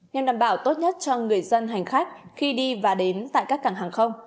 nhằm đảm bảo tốt nhất cho người dân hành khách khi đi và đến tại các cảng hàng không